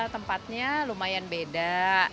tempatnya lumayan beda